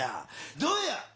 どうや。